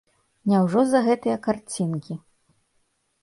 Няўжо за гэтыя карцінкі?